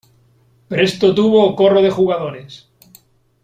presto tuvo corro de jugadores .